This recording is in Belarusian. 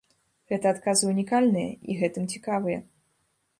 Гэты адказы ўнікальныя і гэтым цікавыя.